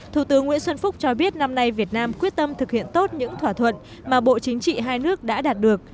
thủ tướng nguyễn xuân phúc cho biết năm nay việt nam quyết tâm thực hiện tốt những thỏa thuận mà bộ chính trị hai nước đã đạt được